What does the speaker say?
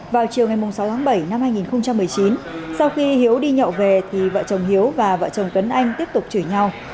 vào chiều ngày sáu tháng bảy năm hai nghìn một mươi chín sau khi hiếu đi nhậu về thì vợ chồng hiếu và vợ chồng tuấn anh tiếp tục chửi nhau